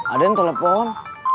ada yang telepon